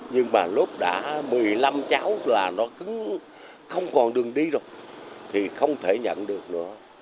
nhưng mà lúc đã một mươi năm cháu là nó cứ không còn đường đi được thì không thể nhận được nữa